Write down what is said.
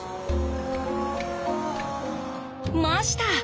ました！